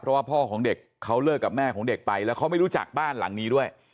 เพราะว่าพ่อของเด็กเขาเลิกกับแม่ของเด็กไปแล้วเขาไม่รู้จักบ้านหลังนี้ด้วย